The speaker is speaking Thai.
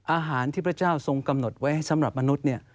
อาหารที่พระเจ้าทรงกำหนดไว้สำหรับมนุษย์เนี่ย